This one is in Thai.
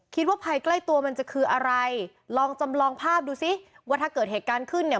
คิดว่าภัยใกล้ตัวมันจะคืออะไรลองจำลองภาพดูซิว่าถ้าเกิดเหตุการณ์ขึ้นเนี่ย